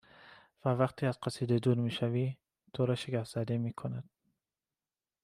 و وقتی از قصیده دور می شوی تو را شگفتزده میکند